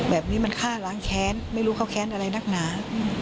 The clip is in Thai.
แบบนี้มันฆ่าล้างแค้นไม่รู้เขาแค้นอะไรนักหนา